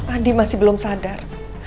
andi masih belum sadar